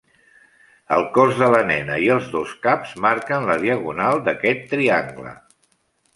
El cos de la nena i els dos caps marquen la diagonal d'aquest triangle.